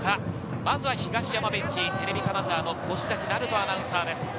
まずは東山ベンチ、テレビ金沢の越崎成人アナウンサーです。